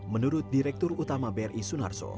menurut direktur utama bri sunarso